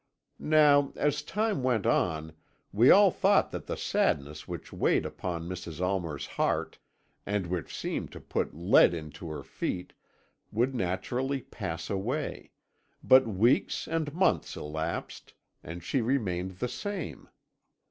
"Now, as time went on, we all thought that the sadness which weighed upon Mrs. Almer's heart, and which seemed to put lead into her feet, would naturally pass away, but weeks and months elapsed, and she remained the same.